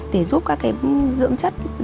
để giúp các dưỡng chất